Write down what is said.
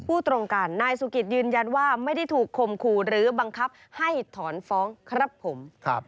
พูดตรงกันนายสุกิตยืนยันว่าไม่ได้ถูกคมขู่หรือบังคับให้ถอนฟ้องครับผม